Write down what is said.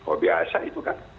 oh biasa itu kan